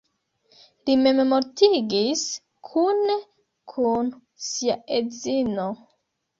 Li memmortigis kune kun sia edzino.